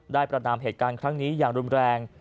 ประนามเหตุการณ์ครั้งนี้อย่างรุนแรง